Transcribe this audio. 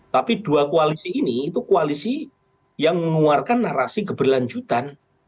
tapi dua koalisi ini itu koalisi yang mengeluarkan narasi keberlanjutan